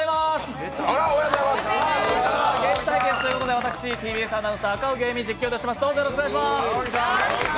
ゲーム対決ということで私、ＴＢＳアナウンサー、赤荻歩が実況いたします、よろしくお願いします。